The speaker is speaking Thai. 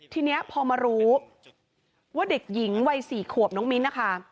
ทีนี้พอมารู้ว่าเด็กหญิงวัย๔ขวบน้องมิ้นนะคะ